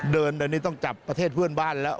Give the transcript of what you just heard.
เดินเดี๋ยวนี้ต้องจับประเทศเพื่อนบ้านแล้ว